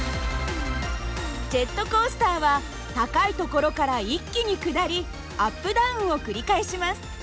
ジェットコースターは高い所から一気に下りアップダウンを繰り返します。